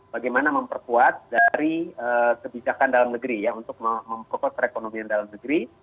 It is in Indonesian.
bagaimana memperkuat dari kebijakan dalam negeri ya untuk memperkuat perekonomian dalam negeri